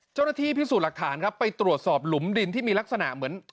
เจ้าหน้าที่พิสูจน์หลักฐานครับไปตรวจสอบหลุมดินที่มีลักษณะเหมือน